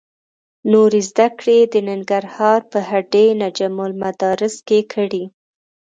نورې زده کړې یې د ننګرهار په هډې نجم المدارس کې کړې.